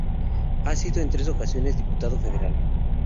Ha sido en tres ocasiones diputado federal.